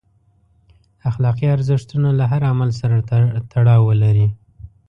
اخلاقي ارزښتونه له هر عمل سره تړاو ولري.